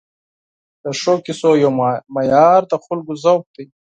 د ښو کیسو یو معیار د خلکو ذوق دی.